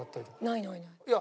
ないないない。